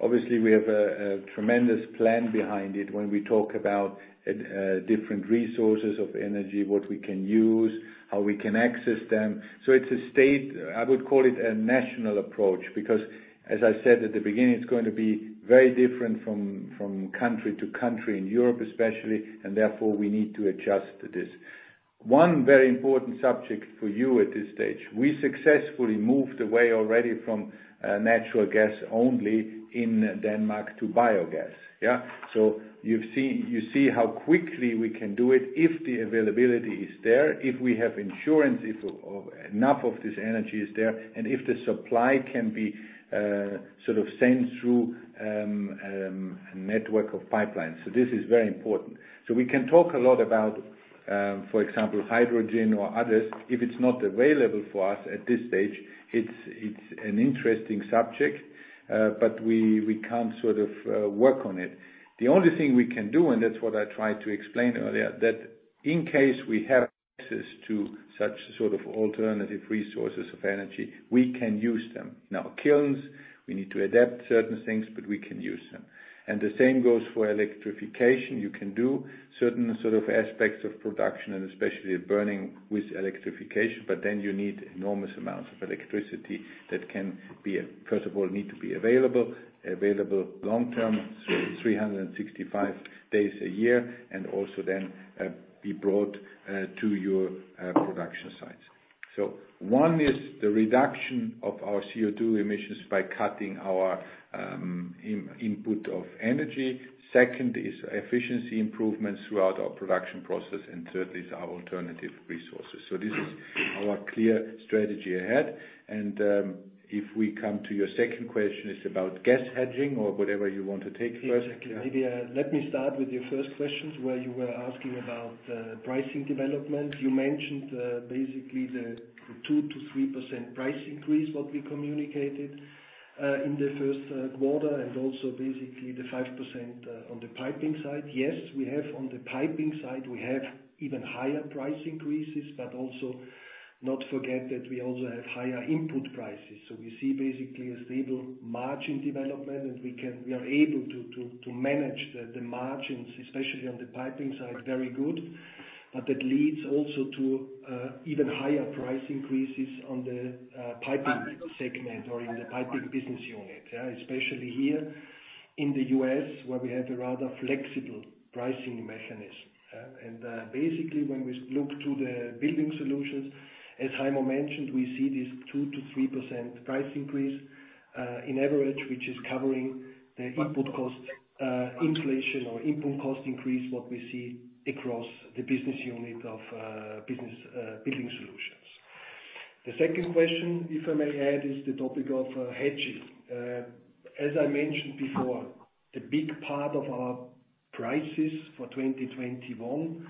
Obviously, we have a tremendous plan behind it when we talk about different resources of energy, what we can use, how we can access them. It's a national approach, because as I said at the beginning, it's going to be very different from country to country, in Europe especially, and therefore, we need to adjust to this. One very important subject for you at this stage. We successfully moved away already from natural gas only in Denmark to biogas. Yeah. You see how quickly we can do it if the availability is there, if we have assurance, if enough of this energy is there, and if the supply can be sent through a network of pipelines. This is very important. We can talk a lot about, for example, hydrogen or others. If it's not available for us at this stage, it's an interesting subject, but we can't work on it. The only thing we can do, and that's what I tried to explain earlier, that in case we have access to such alternative resources of energy, we can use them. Kilns, we need to adapt certain things, but we can use them. The same goes for electrification. You can do certain aspects of production and especially burning with electrification, but then you need enormous amounts of electricity that, first of all, need to be available long-term, 365 days a year, and also then be brought to your production sites. One is the reduction of our CO2 emissions by cutting our input of energy. Second is efficiency improvements throughout our production process, and third is our alternative resources. This is our clear strategy ahead. If we come to your second question, it's about gas hedging or whatever you want to take first. Exactly. Let me start with your first questions, where you were asking about pricing development. You mentioned basically the 2% to 3% price increase, what we communicated in the first quarter, and also basically the 5% on the piping side. Yes, on the piping side, we have even higher price increases, but also not forget that we also have higher input prices. We see basically a stable margin development, and we are able to manage the margins, especially on the piping side, very good. That leads also to even higher price increases on the piping segment or in the piping business unit. Especially here in the U.S., where we have a rather flexible pricing mechanism. Basically, when we look to the building solutions, as Heimo Scheuch mentioned, we see this 2% to 3% price increase in average, which is covering the input cost inflation or input cost increase, what we see across the business unit of building solutions. The second question, if I may add, is the topic of hedging. As I mentioned before, the big part of our prices for 2021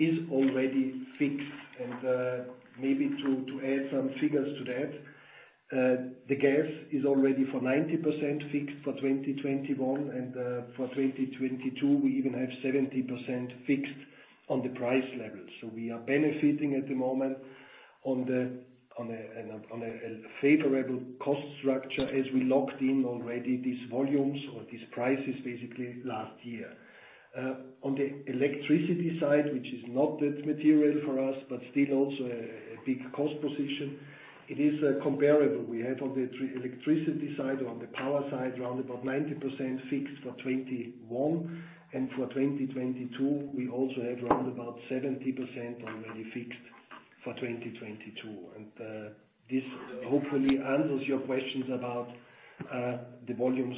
is already fixed. Maybe to add some figures to that, the gas is already for 90% fixed for 2021, and for 2022, we even have 70% fixed on the price level. We are benefiting at the moment on a favorable cost structure as we locked in already these volumes or these prices basically last year. On the electricity side, which is not that material for us, but still also a big cost position, it is comparable. We have on the electricity side or on the power side, around about 90% fixed for 2021. For 2022, we also have around about 70% already fixed for 2022. This hopefully answers your questions about the volumes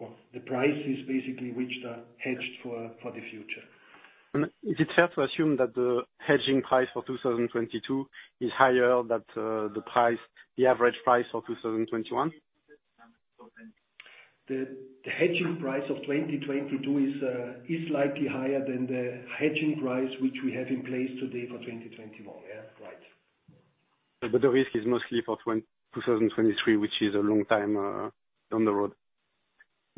or the prices basically, which are hedged for the future. Is it fair to assume that the hedging price for 2022 is higher than the average price for 2021? The hedging price of 2022 is slightly higher than the hedging price which we have in place today for 2021. Yeah, right. The risk is mostly for 2023, which is a long time down the road.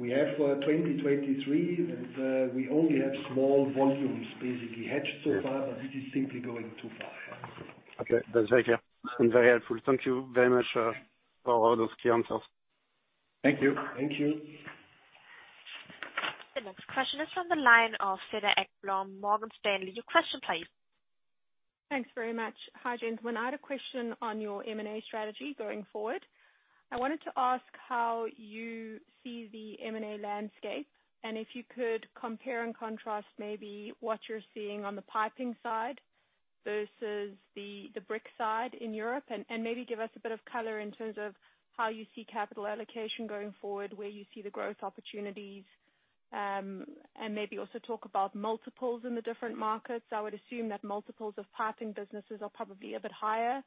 We have for 2023, and we only have small volumes basically hedged so far, but this is simply going too far. Okay. That's very clear and very helpful. Thank you very much for all those key answers. Thank you. Thank you. The next question is from the line of Cedar Ekblom, Morgan Stanley. Your question, please. Thanks very much. Hi, gentlemen. I had a question on your M&A strategy going forward. I wanted to ask how you see the M&A landscape, and if you could compare and contrast maybe what you're seeing on the piping side versus the brick side in Europe, and maybe give us a bit of color in terms of how you see capital allocation going forward, where you see the growth opportunities. Maybe also talk about multiples in the different markets. I would assume that multiples of piping businesses are probably a bit higher than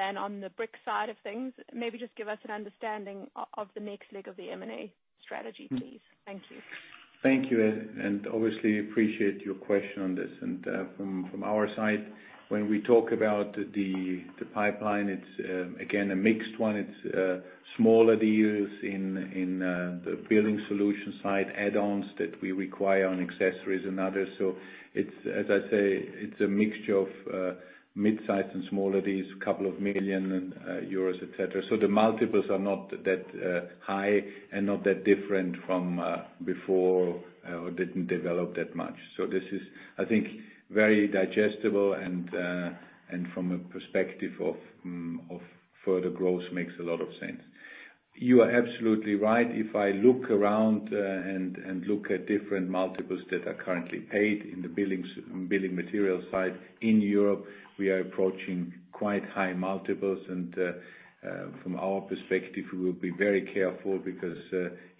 on the brick side of things. Maybe just give us an understanding of the next leg of the M&A strategy, please. Thank you. Thank you, obviously appreciate your question on this. From our side, when we talk about the pipeline, it's again, a mixed one. It's small deals in the Building Solutions side, add-ons that we require on accessories and others. As I say, it's a mixture of mid-size and small deals, couple of million EUR, et cetera. The multiples are not that high and not that different from before or didn't develop that much. This is, I think, very digestible and from a perspective of further growth makes a lot of sense. You are absolutely right. If I look around and look at different multiples that are currently paid in the building materials side in Europe, we are approaching quite high multiples. From our perspective, we will be very careful because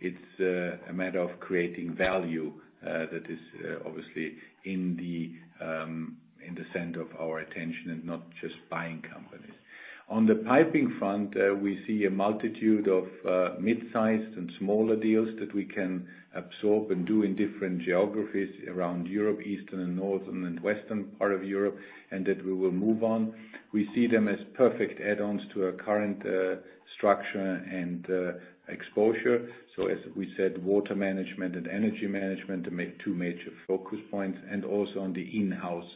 it's a matter of creating value that is obviously in the center of our attention and not just buying companies. On the piping front, we see a multitude of mid-sized and smaller deals that we can absorb and do in different geographies around Europe, Eastern and Northern and Western part of Europe, and that we will move on. We see them as perfect add-ons to our current structure and exposure. As we said, water management and energy management are two major focus points, and also on the in-house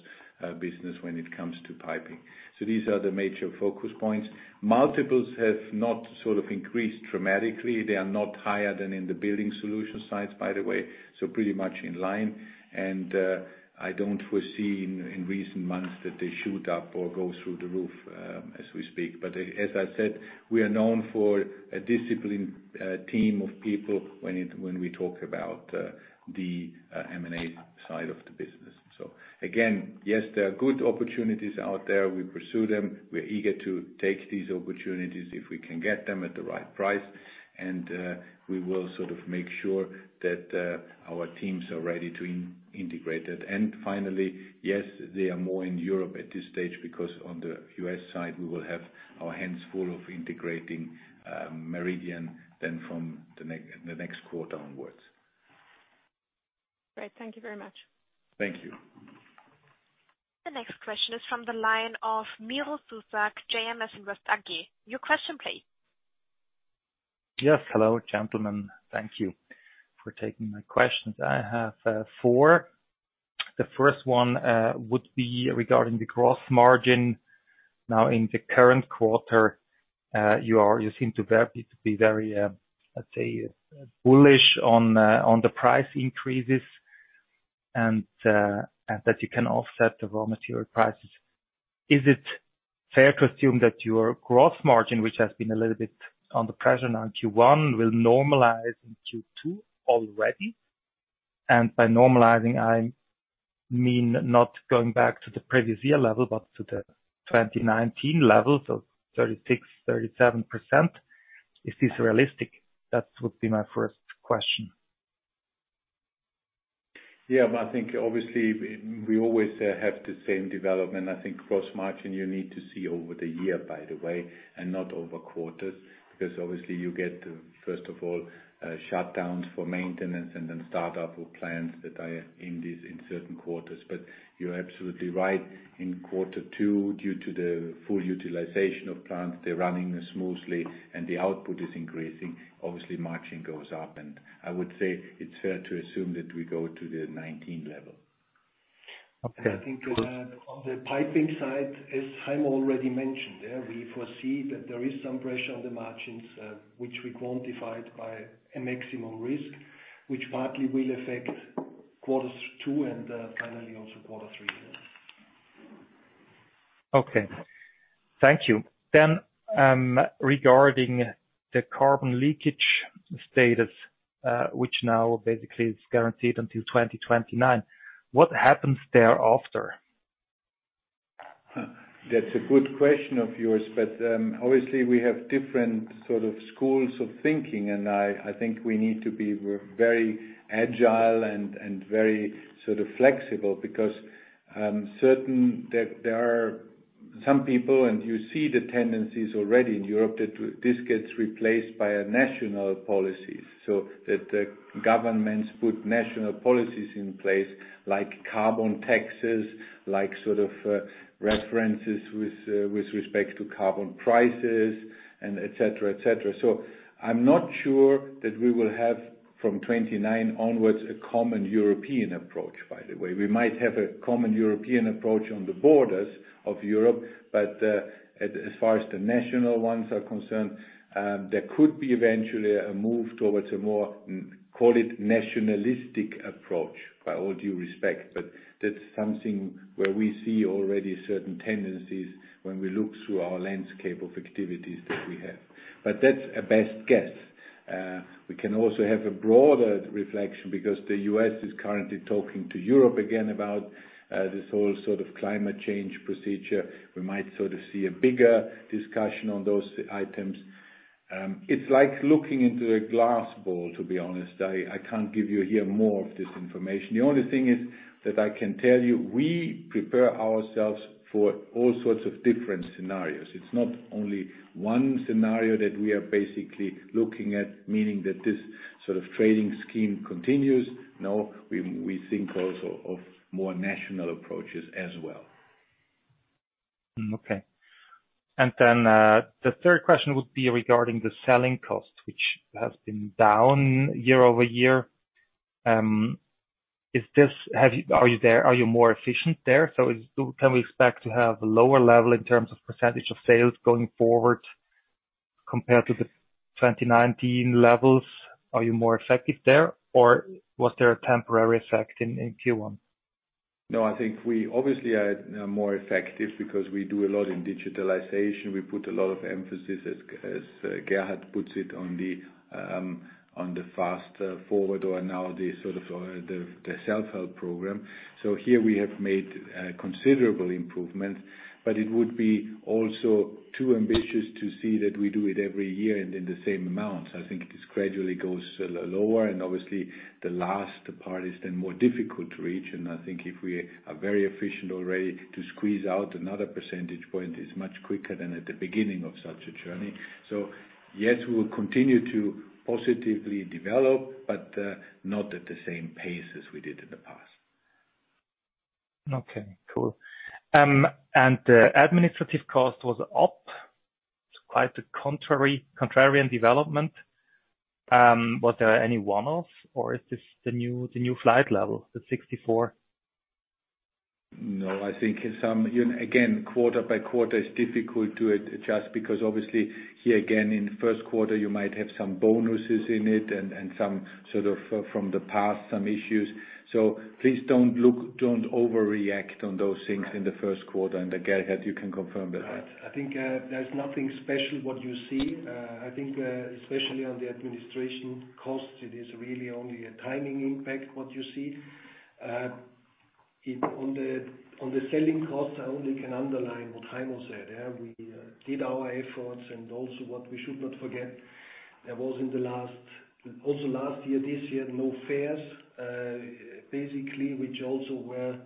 business when it comes to piping. These are the major focus points. Multiples have not increased dramatically. They are not higher than in the building solution sides, by the way, pretty much in line. I don't foresee in recent months that they shoot up or go through the roof as we speak. As I said, we are known for a disciplined team of people when we talk about the M&A side of the business. Again, yes, there are good opportunities out there. We pursue them. We are eager to take these opportunities if we can get them at the right price. We will sort of make sure that our teams are ready to integrate it. Finally, yes, they are more in Europe at this stage because on the U.S. side, we will have our hands full of integrating Meridian then from the next quarter onwards. Great. Thank you very much. Thank you. The next question is from the line of Miroslav Zuzak, JMS Invest AG. Your question, please. Yes. Hello, gentlemen. Thank you for taking my questions. I have four. The first one would be regarding the gross margin. Now in the current quarter, you seem to be very, let's say, bullish on the price increases and that you can offset the raw material prices. Is it fair to assume that your gross margin, which has been a little bit under pressure now in Q1, will normalize in Q2 already? By normalizing, I mean not going back to the previous year level, but to the 2019 level, so 36, 37%. Is this realistic? That would be my first question. Yeah. I think obviously we always have the same development. I think gross margin, you need to see over the year, by the way, and not over quarters, because obviously you get, first of all, shutdowns for maintenance and then startup of plants that are in certain quarters. You're absolutely right. In quarter two, due to the full utilization of plants, they're running smoothly and the output is increasing. Obviously, margin goes up. I would say it's fair to assume that we go to the 2019 level. Okay. I think on the piping side, as Heimo Scheuch already mentioned, we foresee that there is some pressure on the margins, which we quantified by a maximum risk, which partly will affect quarters two and finally also quarter three. Okay. Thank you. Regarding the carbon leakage status, which now basically is guaranteed until 2029, what happens thereafter? That's a good question of yours, but obviously we have different sort of schools of thinking, and I think we need to be very agile and very flexible because I'm certain that there are some people, and you see the tendencies already in Europe, that this gets replaced by a national policy. That the governments put national policies in place like carbon taxes, like references with respect to carbon prices and et cetera. I'm not sure that we will have from 2029 onwards a common European approach, by the way. We might have a common European approach on the borders of Europe, but as far as the national ones are concerned, there could be eventually a move towards a more, call it nationalistic approach, by all due respect. That's something where we see already certain tendencies when we look through our landscape of activities that we have. That's a best guess. We can also have a broader reflection because the U.S. is currently talking to Europe again about this whole sort of climate change procedure. We might see a bigger discussion on those items. It's like looking into a glass ball, to be honest. I can't give you here more of this information. The only thing is that I can tell you, we prepare ourselves for all sorts of different scenarios. It's not only one scenario that we are basically looking at, meaning that this sort of trading scheme continues. We think also of more national approaches as well. Okay. The third question would be regarding the selling cost, which has been down year-over-year. Are you more efficient there? Can we expect to have a lower level in terms of percentage of sales going forward? Compared to the 2019 levels, are you more effective there, or was there a temporary effect in Q1? I think we obviously are more effective because we do a lot in digitalization. We put a lot of emphasis, as Gerhard puts it, on the Fast Forward or now the self-help program. Here we have made considerable improvements, but it would be also too ambitious to see that we do it every year and in the same amounts. I think it gradually goes lower, and obviously the last part is then more difficult to reach. I think if we are very efficient already to squeeze out another percentage point is much quicker than at the beginning of such a journey. Yes, we will continue to positively develop, but not at the same pace as we did in the past. Okay, cool. The administrative cost was up. It's quite the contrarian development. Was there any one-offs or is this the new flight level, the 64? No, I think, again, quarter by quarter is difficult to adjust, because obviously here again in the first quarter you might have some bonuses in it and some from the past some issues. Please don't overreact on those things in the first quarter. Gerhard, you can confirm that. I think there's nothing special what you see. I think especially on the administration costs, it is really only a timing impact, what you see. On the selling costs, I only can underline what Heimo said. We did our efforts and also what we should not forget, there was also last year, this year, no fairs, basically, which also were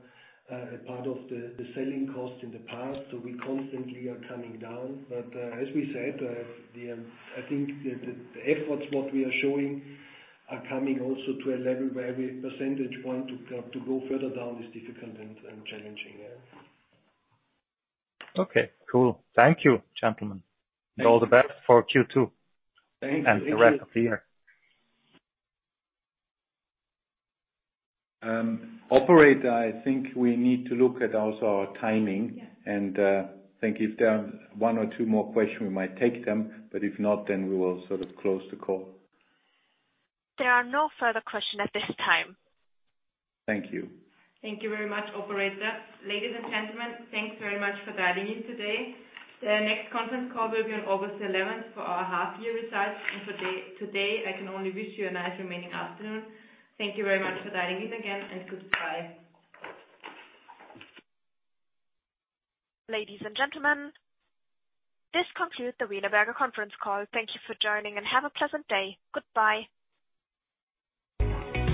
a part of the selling cost in the past. We constantly are coming down. As we said, I think the efforts what we are showing are coming also to a level where every percentage point to go further down is difficult and challenging. Okay, cool. Thank you, gentlemen. Thank you. All the best for Q2. Thank you. The rest of the year. Operator, I think we need to look at also our timing. Yeah. I think if there are one or two more questions, we might take them, but if not, then we will close the call. There are no further questions at this time. Thank you. Thank you very much, operator. Ladies and gentlemen, thanks very much for dialing in today. The next conference call will be on August 11th for our half year results. For today, I can only wish you a nice remaining afternoon. Thank you very much for dialing in again, and goodbye. Ladies and gentlemen, this concludes the Wienerberger conference call. Thank you for joining and have a pleasant day. Goodbye.